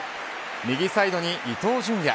右サイドに伊東純也。